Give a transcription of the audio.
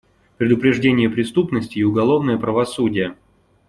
Предупреждение преступности и уголовное правосудие.